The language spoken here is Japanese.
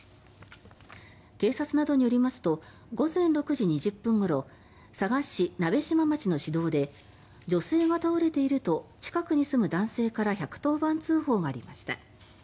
警察などによりますと午前６時２０分ごろ佐賀市鍋島町の市道で女性が倒れていると近くに住む男性から１１０番通報がありました。